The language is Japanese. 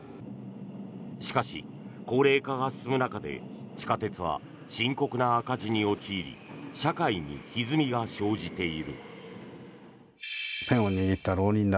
しかし、高齢化が進む中で地下鉄は深刻な赤字に陥り社会にひずみが生じている。